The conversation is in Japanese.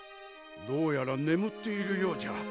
どうやら眠っているようじゃ。